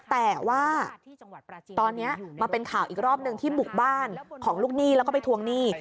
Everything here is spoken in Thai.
แต่ว่าตอนนี้มาเป็นข่าวอีกรอบหนึ่งที่บุกบ้านของลูกหนี้แล้วก็ไปทวงหนี้